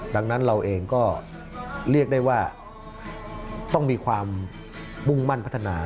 ดังนั้นเราเองก็เรียกได้ว่าต้องมีความมุ่งมั่นพัฒนา